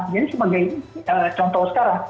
jadi sebagai contoh sekarang